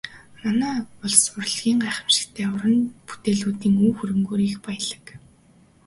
Манай улс урлагийн гайхамшигтай уран бүтээлүүдийн өв хөрөнгөөрөө их баялаг.